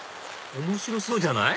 面白そうじゃない？